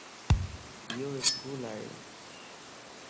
ايو اسڪول ائي